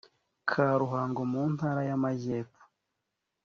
ka ruhango mu ntara y amajyepfo